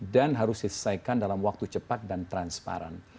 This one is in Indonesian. dan harus disampaikan dalam waktu cepat dan transparan